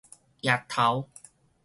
驛頭